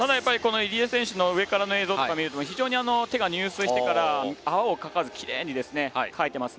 入江選手の上からの映像を見ると手が入水してから泡をかかず、きれいにかいてます。